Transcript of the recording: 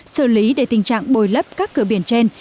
xử lý để tình trạng bồi lấp các cửa biển trên